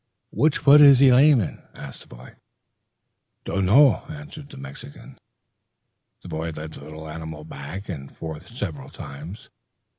"Which foot is he lame in?" asked the boy. "Donno," answered the Mexican. The boy led the little animal back and forth several times.